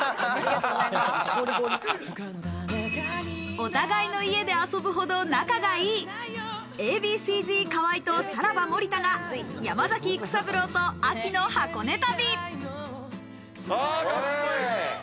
お互いの家で遊ぶほど仲がいいＡ．Ｂ．Ｃ−Ｚ河合とさらば森田が山崎育三郎と秋の箱根旅。